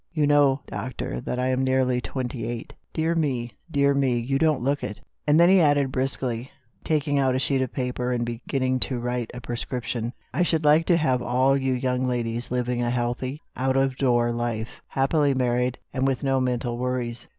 " You know, doctor, that I am nearly twenty eight. "Dear me, dear me — you don't look it." And then he added briskly, taking out a sheet of paper and beginning to write a prescrip tion, " I should like to have all you young ladies living a healthy, out of door life, happily married, and with no mental worries.